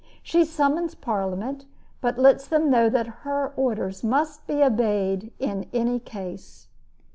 She summons Parliament, but lets them know that her orders must be obeyed in any case.